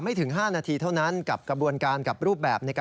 มัยถึง๕นาทีเท่านั้นกับกระบวนการกับรูปแบบเกี่ยวกับรูปแบบที่จะถูกกัม